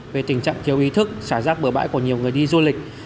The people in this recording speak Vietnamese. về tình trạng thiếu ý thức xả rác bừa bãi của nhiều người đi du lịch